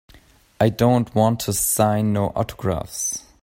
I don't wanta sign no autographs.